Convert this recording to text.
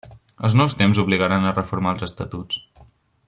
Els nous temps obligaran a reformar els estatuts.